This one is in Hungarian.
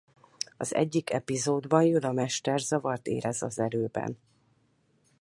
Az egyik epizódban Yoda mester zavart érez az Erőben.